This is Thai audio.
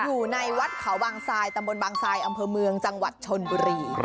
อยู่ในวัดเขาบางทรายตำบลบางทรายอำเภอเมืองจังหวัดชนบุรี